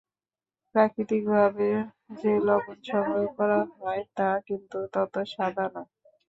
প্রাকৃতিকভাবে যে লবণ সংগ্রহ করা হয়, তা কিন্তু তত সাদা নয়।